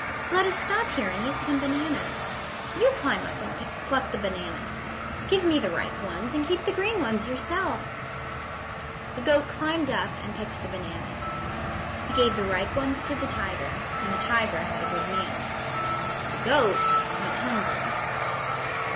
Let us stop here and eat some bananas. You climb up and pluck the bananas. Give me the ripe ones, and keep the green ones yourself." The goat climbed up and picked the bananas. He gave the ripe ones to the tiger and the tiger had a good meal. The goat went hungry.